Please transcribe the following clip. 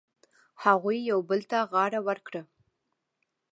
هغوی یو بل ته غاړه ورکړه.